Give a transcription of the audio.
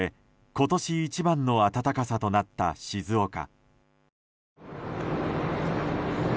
今年一番の暖かさとなった静岡。